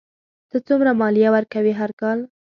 ته څومره مالیه ورکوې هر کال؟